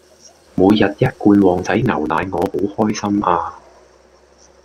每日一罐旺仔牛奶我好開心啊